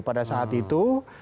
pada saat itu pak sby